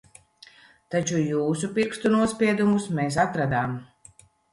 Taču jūsu pirkstu nospiedumus mēs atradām.